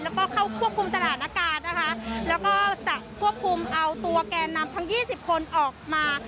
แล้วก็เข้าควบคุมสถานการณ์นะคะแล้วก็จะควบคุมเอาตัวแกนนำทั้งยี่สิบคนออกมา